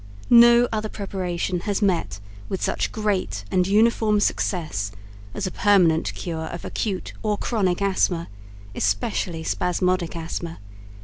No other preparation has met with such great and uniform success as a permanent cure of Acute or Chronic Asthma, especially Spasmodic Asthma.